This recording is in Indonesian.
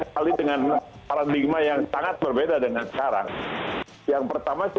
tidak bersama saya dengan anggota yang